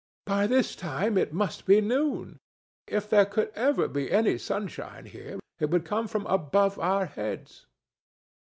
"By this time it must be noon; if there could ever be any sunshine here, it would come from above our heads."